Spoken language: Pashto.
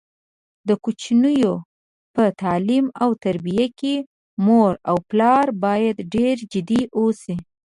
د کوچینیانو په تعلیم او تربیه کې مور او پلار باید ډېر جدي اوسي.